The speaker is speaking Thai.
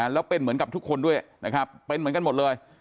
แล้วเป็นเหมือนกับทุกคนด้วยนะครับเป็นเหมือนกันหมดเลย